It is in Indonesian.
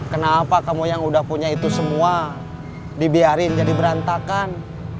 kenapa kamu yang udah punya itu semua dibiarin jadi berantakan